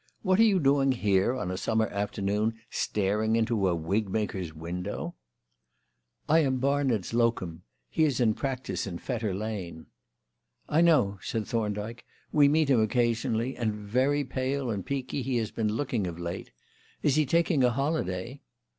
What are you doing here on a summer afternoon staring into a wigmaker's window?" "I am Barnard's locum; he is in practice in Fetter Lane." "I know," said Thorndyke; "we meet him occasionally, and very pale and peaky he has been looking of late. Is he taking a holiday?"